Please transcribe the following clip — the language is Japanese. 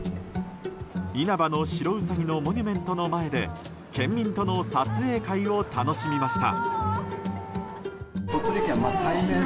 「因幡の白うさぎ」のモニュメントの前で県民との撮影会を楽しみました。